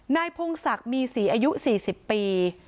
นายพงศักดิ์มีสีอายุ๔๐ปี